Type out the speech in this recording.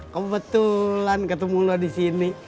kau betulan ketemu lo disini